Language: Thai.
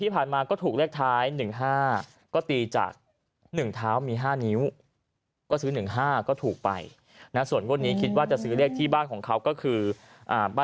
ไปนะส่วนกดนี้คิดว่าจะซื้อเลขที่บ้านของเขาก็คือบ้าน